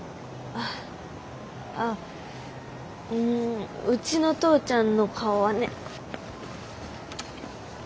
ああっうんうちの父ちゃんの顔はね。